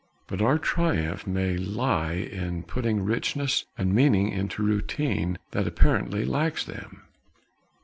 But our triumph may lie in putting richness and meaning into routine that apparently lacks them.